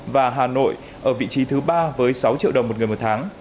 và hà nội ở vị trí thứ ba với sáu triệu đồng một người một tháng